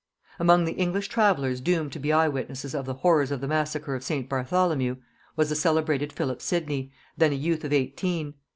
Among the English travellers doomed to be eye witnesses of the horrors of the massacre of St. Bartholomew was the celebrated Philip Sidney, then a youth of eighteen.